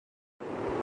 اگر ان کی یہ سوچ ہے۔